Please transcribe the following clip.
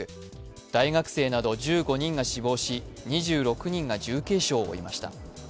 大学生など１５人が死亡し、２６人が重軽傷を負いました。